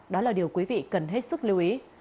đó là điều quý vị cần hết sức lưu ý